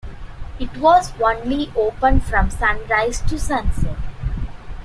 It was only open from sunrise to sunset.